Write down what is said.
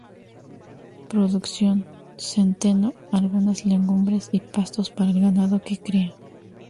Producción: centeno, algunas legumbres y pastos para el ganado que cria.